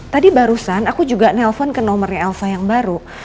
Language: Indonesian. tadi barusan aku juga nelfon ke nomornya elsa yang baru